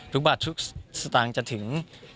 ทุกบาททุกสตางค์จะถึง